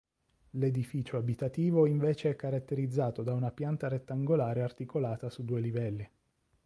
L'edificio abitativo invece è caratterizzato da una pianta rettangolare articolata su due livelli.